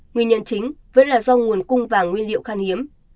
nguyên nhân chính vẫn là do nguồn cung vàng nguyên liệu khan hiếm